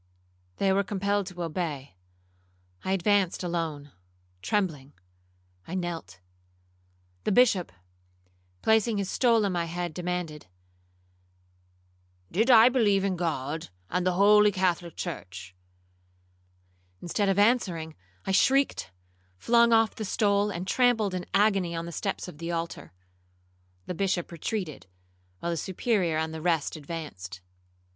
They were compelled to obey. I advanced alone, trembling. I knelt. The Bishop, placing his stole on my head, demanded, 'Did I believe in God, and the holy Catholic church?' Instead of answering, I shrieked, flung off the stole, and trampled in agony on the steps of the altar. The Bishop retreated, while the Superior and the rest advanced.